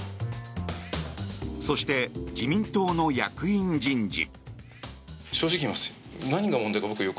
そして、自民党の役員人事。